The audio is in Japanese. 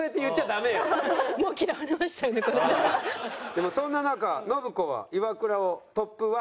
でもそんな中信子はイワクラをトップ１。